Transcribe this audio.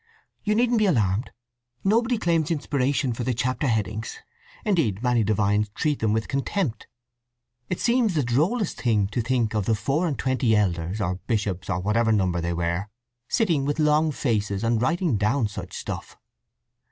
You needn't be alarmed: nobody claims inspiration for the chapter headings. Indeed, many divines treat them with contempt. It seems the drollest thing to think of the four and twenty elders, or bishops, or whatever number they were, sitting with long faces and writing down such stuff."